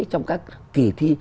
trong các kỳ thi